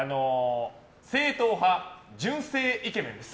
正統派純正イケメンです。